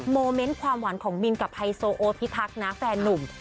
โมเมนต์ความหวานของบินกับไฮโซโอพิทักษ์นะแฟนนุ่ม